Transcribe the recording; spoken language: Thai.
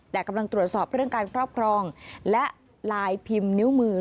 แต่กำลังตรวจสอบเรื่องการครอบครองและลายพิมพ์นิ้วมือ